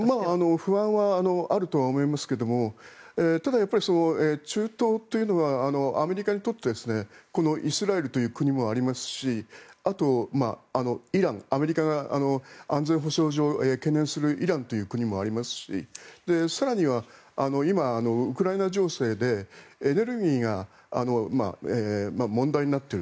不安はあるとは思いますがただ、中東というのはアメリカにとってイスラエルという国もありますしあと、イランアメリカが安全保障上懸念するイランという国もありますし更には今、ウクライナ情勢でエネルギーが問題になっている。